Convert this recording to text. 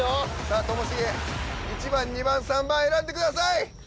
あともしげ１番２番３番選んでください